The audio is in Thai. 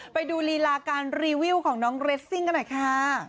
ไปดูลีลาการรีวิวของน้องเรสซิ่งกันหน่อยค่ะ